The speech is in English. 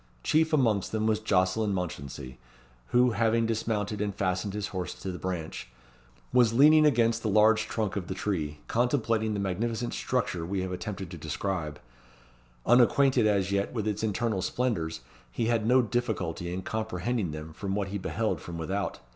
Chief amongst them was Jocelyn Mounchensey, who, having dismounted and fastened his horse to the branch, was leaning against the large trunk of the tree, contemplating the magnificent structure we have attempted to describe. Unacquainted as yet with its internal splendours, he had no difficulty in comprehending them from what he beheld from without.